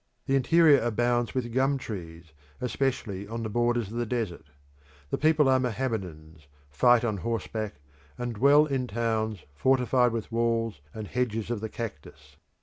The interior abounds with gum trees, especially on the borders of the desert. The people are Mohammedans, fight on horseback, and dwell in towns fortified with walls and hedges of the cactus.